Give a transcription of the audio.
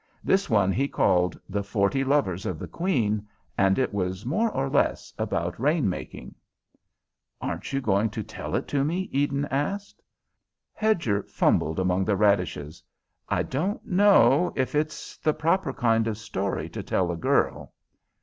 This one he called 'The Forty Lovers of the Queen,' and it was more or less about rain making." "Aren't you going to tell it to me?" Eden asked. Hedger fumbled among the radishes. "I don't know if it's the proper kind of story to tell a girl."